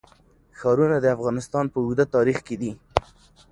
ښارونه د افغانستان په اوږده تاریخ کې دي.